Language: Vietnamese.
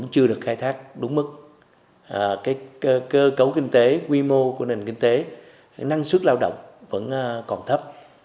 chưa được khai thác đúng mức cơ cấu kinh tế quy mô của nền kinh tế năng suất lao động vẫn còn thấp